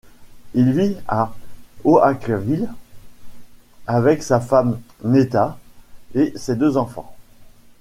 Il vit à Oakville avec sa femme Neetha et ses deux enfants.